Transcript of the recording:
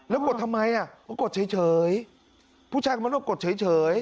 แล้วกดทำไมอ่ะก็กดเฉยเฉยผู้ชายกำลังกดเฉยเฉย